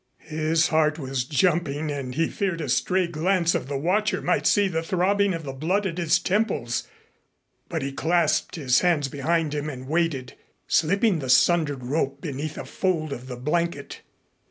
His heart was jumping and he feared a stray glance of the watcher might see the throbbing of the blood at his temples, but he clasped his hands behind him and waited, slipping the sundered rope beneath a fold of the blanket.